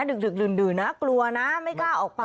ดึกดื่นนะกลัวนะไม่กล้าออกไป